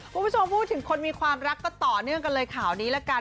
คุณผู้ชมพูดถึงคนมีความรักก็ต่อเนื่องกันเลยข่าวนี้ละกัน